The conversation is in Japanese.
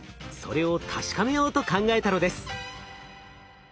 それを確かめようと考えたのです。